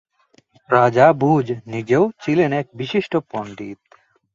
রাজা ভোজ নিজেও ছিলেন এক বিশিষ্ট পণ্ডিত।